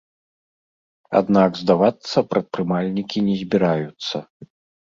Аднак здавацца прадпрымальнікі не збіраюцца.